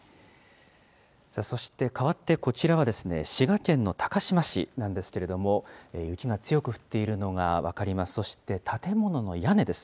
そしてかわって、こちらは滋賀県の高島市なんですけれども、雪が強く降っているのが分かります。